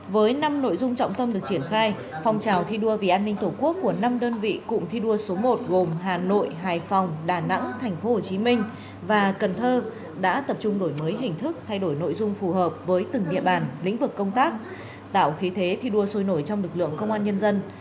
với năm nội dung trọng tâm được triển khai phòng trào thi đua vì an ninh tổ quốc của năm đơn vị cụm thi đua số một gồm hà nội hải phòng đà nẵng tp hcm và cần thơ đã tập trung đổi mới hình thức thay đổi nội dung phù hợp với từng địa bàn lĩnh vực công tác tạo khí thế thi đua sôi nổi trong lực lượng công an nhân dân